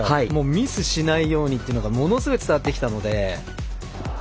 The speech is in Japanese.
ミスしないようにっていうのがものすごい伝わってきたので。